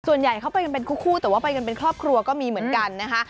ส่วนใหญ่เข้าไปกันเป็นคู่แต่ว่าไปกันเป็นครอบครัวก็มีเหมือนกันนะคะ